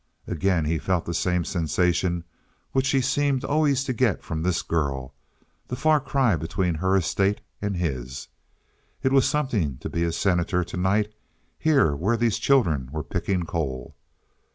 Again he felt that same sensation which he seemed always to get from this girl—the far cry between her estate and his. It was something to be a Senator to night, here where these children were picking coal.